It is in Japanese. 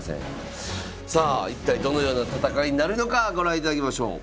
さあ一体どのような戦いになるのかご覧いただきましょう。